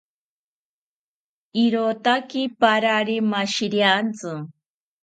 Irotaki parari mashiriantzi